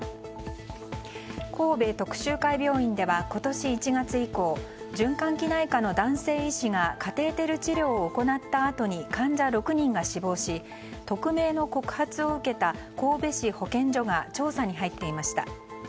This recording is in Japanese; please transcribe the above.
神戸徳洲会病院では今年１月以降循環器内科の男性医師がカテーテル治療を行ったあとに患者６人が死亡し匿名の告発を受けた神戸市保健所が調査に入っていました。